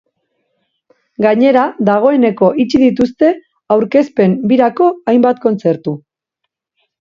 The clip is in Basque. Gainera, dagoeneko itxi dituzte aurkezpen birako hainbat kontzertu.